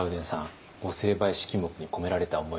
御成敗式目に込められた思い